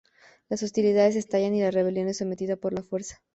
Las hostilidades estallan y la rebelión es sometida por la fuerza.